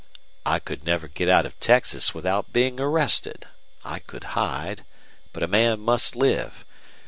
"I could never get out of Texas without being arrested. I could hide, but a man must live.